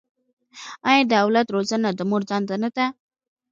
آیا د اولاد روزنه د مور دنده نه ده؟